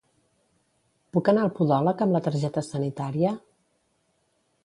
Puc anar al podòleg amb la targeta sanitària?